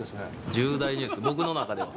重大ニュース、僕の中では。